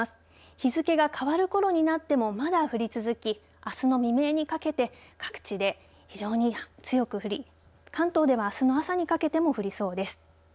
日付が変わるころになってもまだ降り続きあすの未明にかけて各地で非常に強く降り関東ではあすの朝にかけても降りそうです。